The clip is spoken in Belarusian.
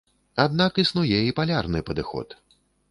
Аднак існуе і палярны падыход.